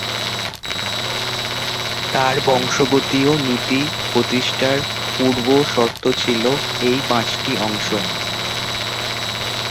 তার বংশগতীয় নীতি প্রতিষ্ঠার পূর্বশর্ত ছিলো এই পাঁচটি অংশ।